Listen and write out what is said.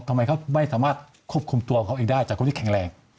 ทำไมเขาไม่สามารถควบคุมตัวเขาเองได้จากคนที่แข็งแรง